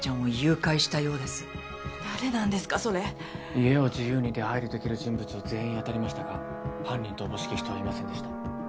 家を自由に出はいりできる人物を全員当たりましたが犯人とおぼしき人はいませんでした。